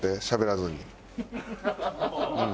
しゃべらずに。